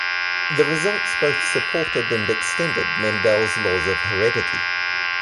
The results both supported and extended Mendel's laws of heredity.